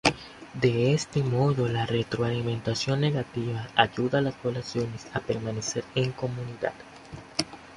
De este modo, la retroalimentación negativa ayuda a las poblaciones a permanecer en comunidad.